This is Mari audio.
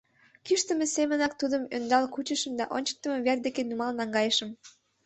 Кӱштымӧ семынак тудым ӧндал кучышым да ончыктымо вер деке нумал наҥгайышым.